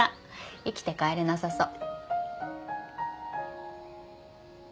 生きて帰れなさそう。